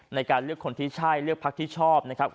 ในการเลือกคนที่ใช่เลือกพักที่ชอบนะครับ